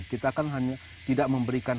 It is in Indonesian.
kita kan hanya tidak memberikan